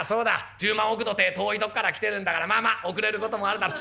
１０万億土てえ遠いとこから来てるんだからまあまあ遅れる事もあるだろう。